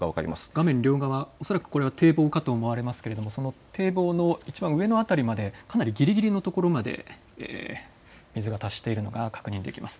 画面両側、恐らく堤防かと思われますが堤防のいちばん上の辺りまでかなりぎりぎりの辺りまで水が達しているのが確認できます。